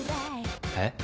えっ？